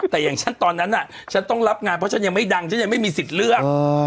แต่อย่างฉันตอนนั้นฉันต้องรับงานเพราะฉันยังไม่ดังฉันยังไม่มีสิทธิ์เลือก